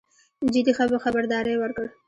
جدي خبرداری ورکړ.